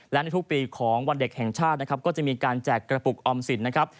และในทุกปีของวันเด็กแห่งชาตินะครับก็จะมีการแจกกระปุกออมสินนะครับ